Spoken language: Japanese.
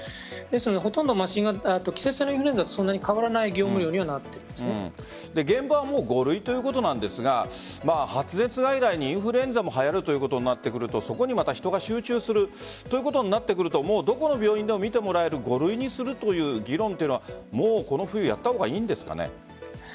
ほとんど季節性のインフルエンザとそんなに変わらない現場は５類ということなんですが発熱外来にインフルエンザもはやるということになってくるとそこに人が集中するということになってくるとどこの病院でも診てもらえる５類にするという議論はこの冬やったほうがいいんですかね？